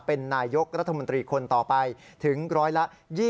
เป็นนายกรัฐมนตรีคนต่อไปถึงร้อยละ๒๐